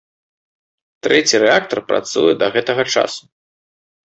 Трэці рэактар працуе да гэтага часу.